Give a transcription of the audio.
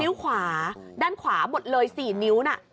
ขวาด้านขวาหมดเลย๔นิ้วน่ะ